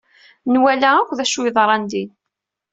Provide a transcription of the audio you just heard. Nwala akk d acu yeḍṛan din.